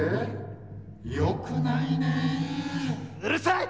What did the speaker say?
うるさい！